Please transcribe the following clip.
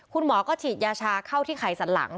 คุณหมอก็ฉีดยาชาเข้าที่ไขสันหลัง